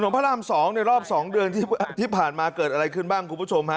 ถนนพระร่ำ๒รอบ๒เดือนที่ผ่านมาเกิดอะไรขึ้นบ้างครับคุณผู้ชม